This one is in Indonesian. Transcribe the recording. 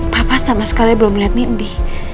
papa sama sekali belum lihat nindi